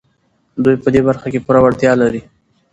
دوی په دې برخه کې پوره وړتيا لري.